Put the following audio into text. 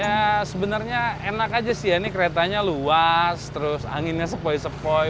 ya sebenarnya enak aja sih ya ini keretanya luas terus anginnya sepoi sepoi